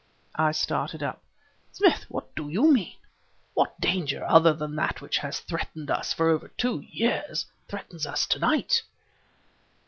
I started up. "Smith! what do you mean? What danger, other than that which has threatened us for over two years, threatens us to night?"